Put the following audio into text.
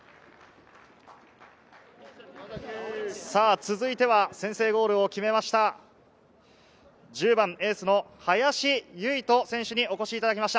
続いては先制ゴールを決めました、１０番、エースの林結人選手にお越しいただきました。